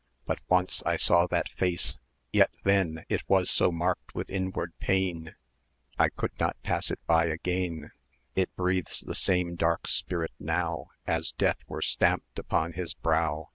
But once I saw that face, yet then It was so marked with inward pain, I could not pass it by again; It breathes the same dark spirit now, As death were stamped upon his brow.